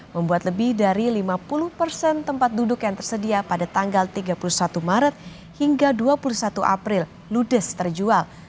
membuat lebih dari lima puluh persen tempat duduk yang tersedia pada tanggal tiga puluh satu maret hingga dua puluh satu april ludes terjual